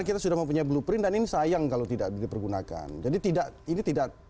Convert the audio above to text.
kita sudah mempunyai blueprint dan ini sayang kalau tidak dipergunakan jadi tidak ini tidak